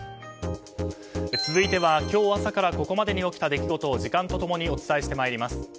続いては今日朝からここまでに起きた出来事を時間と共にお伝えしてまいります。